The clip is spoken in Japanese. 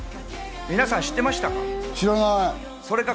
皆さん、知ってましたか？